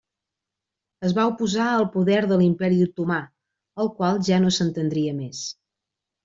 Es va oposar al poder de l'Imperi otomà, el qual ja no s'estendria més.